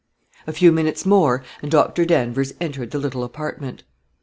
A few minutes more, and Dr. Danvers entered the little apartment.